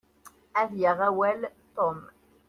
Ad yaɣ awal Tom.